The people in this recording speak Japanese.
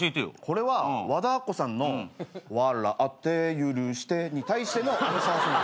これは和田アッコさんの「笑って許して」に対してのアンサーソング。